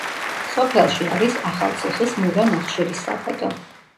სოფელში არის ახალციხის მურა ნახშირის საბადო.